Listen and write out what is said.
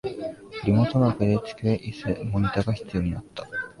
リモートワークで机、イス、モニタが必要になった